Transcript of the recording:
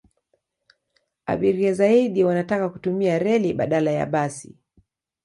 Abiria zaidi wanataka kutumia reli badala ya basi.